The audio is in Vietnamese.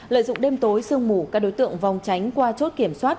lợi dụng đêm tối sương mù các đối tượng vòng tránh qua chốt kiểm soát